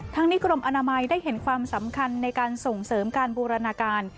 นี้กรมอนามัยได้เห็นความสำคัญในการส่งเสริมการบูรณาการ